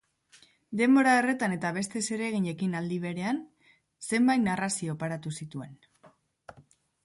Denbora horretan eta beste zereginekin aldi berean zenbait narrazio paratu zituen.